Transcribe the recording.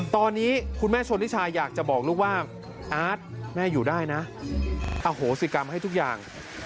ตอนนี้คุณแม่ชนนิชาอยากจะบอกลูกว่าอาร์ตแม่อยู่ได้นะอโหสิกรรมให้ทุกอย่าง